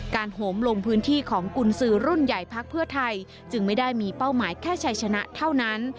โหมลงพื้นที่ของกุญสือรุ่นใหญ่พักเพื่อไทยจึงไม่ได้มีเป้าหมายแค่ชัยชนะเท่านั้น